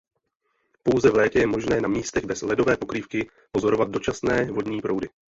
Pouze v létě je možné na místech bez ledové pokrývky pozorovat dočasné vodní proudy.